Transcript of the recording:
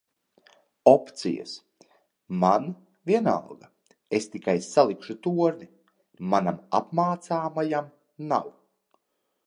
Opcijas- man vienalga, es tikai salikšu torni, manam apmācāmajam nav.